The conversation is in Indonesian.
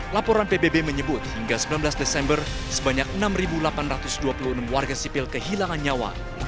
laporan pbb menyebut hingga sembilan belas desember sebanyak enam delapan ratus dua puluh enam warga sipil kehilangan nyawa